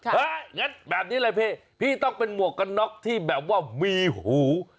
งั้นแบบนี้เลยพี่พี่ต้องเป็นหมวกกันน็อกที่แบบว่ามีหู